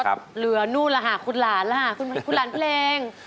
ก็เหลือนู้นล่ะคุณหลานล่ะคุณหลานเพลง